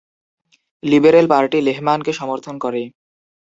Liberal Party লেহমানকে সমর্থন করে।